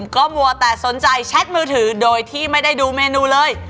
ก็มัวแต่สนใจแชทมือถือโดยที่ไม่ได้ดูเมนูเลย